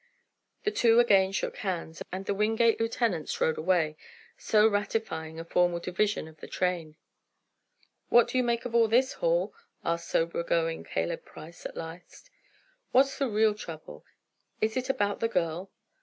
The two again shook hands, and the Wingate lieutenants rode away, so ratifying a formal division of the train. "What do you make of all this, Hall?" asked sober going Caleb Price at last. "What's the real trouble? Is it about the girl?"